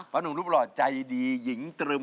หนุ่มรูปหล่อใจดีหญิงตรึม